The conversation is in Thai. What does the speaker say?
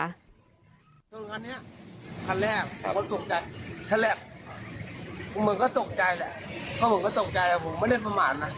คืออันนี้คันแรกผมก็ตกใจแฉลับเหมือนก็ตกใจแหละเพราะผมก็ตกใจผมไม่ได้ประมาทนะ